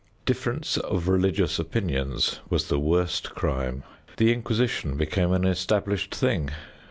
Difference of religious opinions was the worst crime. The inquisition became an established thing.